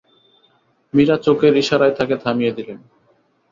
মীরা চোখের ইশারায় তাকে থামিয়ে দিলেন।